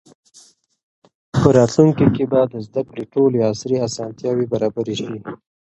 په راتلونکي کې به د زده کړې ټولې عصري اسانتیاوې برابرې سي.